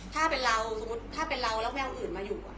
ถ้าเป็นเราสมมุติถ้าเป็นเราแล้วไม่เอาอื่นมาอยู่